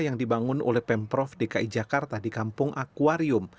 yang dibangun oleh pemprov dki jakarta di kampung akwarium